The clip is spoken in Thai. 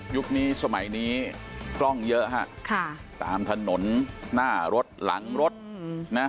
ยุคนี้สมัยนี้กล้องเยอะฮะค่ะตามถนนหน้ารถหลังรถนะ